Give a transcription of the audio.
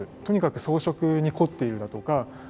とにかく装飾に凝っているだとか